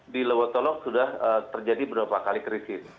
di lewotolog sudah terjadi beberapa kali krisis